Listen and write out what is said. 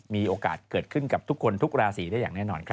มีโอกาสเกิดขึ้นกับทุกคนทุกราศีได้อย่างแน่นอนครับ